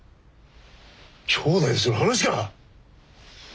兄妹でする話か！